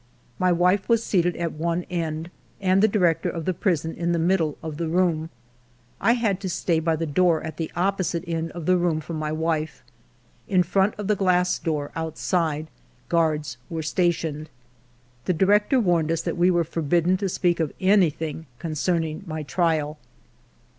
My wife was seated at one end, and the director of the prison in the middle of the room ; I had to stay by the door at the opposite end of the room from my wife. In front of the glass door outside, guards were stationed. ALFRED DREYFUS 93 The director warned us that we were forbid den to speak of anything concerning my trial.